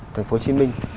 thành phố hồ chí minh